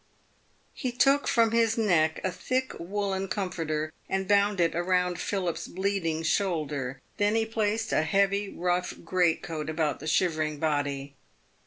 He took from his neck a thick woollen comforter, and bound it around Philip's bleeding shoulder ; then he placed a heavy rough great coat about the shivering body.